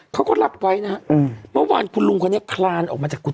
เขาก็หลักไว้นะครับเมื่อวานคุณรุงคนนี้คลานออกมาจากกุฏิ